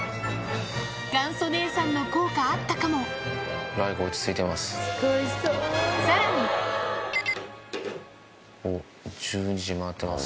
元祖姉さんの効果あったかもさらにおっ１２時回ってます